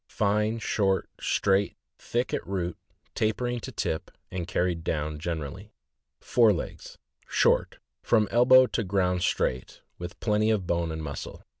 — Fine, short, straight, thick at root, tapering to tip, and carried down generally. Fore legs. — Short, from elbow to ground straight, with plenty of bone and muscle.